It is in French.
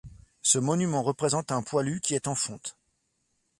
Ce monument représente un poilu qui est en fonte.